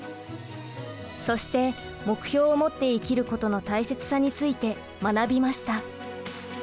そして目標を持って生きることの大切さについて学びました。